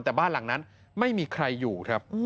แต่บ้านหลังนั้นไม่มีใครอยู่ครับ